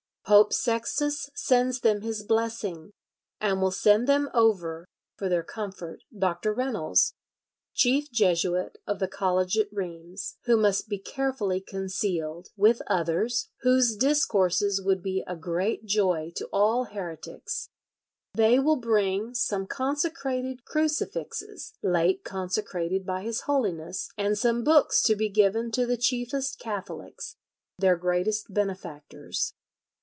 "Pope Sextus sends them his blessing, and will send them over for their comfort Dr. Reynolds, chief Jesuit of the college at Rheims, who must be carefully concealed," ... with others, ... "whose discourses would be a great joy to all heretics. They will bring some consecrated crucifixes, late consecrated by his Holiness, and some books to be given to the chiefest Catholics, their greatest benefactors."